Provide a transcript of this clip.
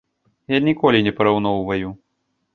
Я ніколі не параўноўваю.